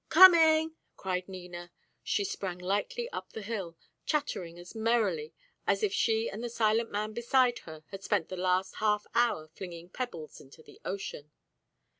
"Coming!" cried Nina. She sprang lightly up the hill, chattering as merrily as if she and the silent man beside her had spent the last half hour flinging pebbles into the ocean.